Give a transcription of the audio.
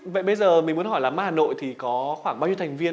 vậy bây giờ mình muốn hỏi là my hà nội thì có khoảng bao nhiêu thành viên